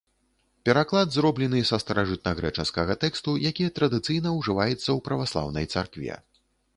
Пераклад зроблены са старажытнагрэчаскага тэксту, які традыцыйна ўжываецца ў праваслаўнай царкве.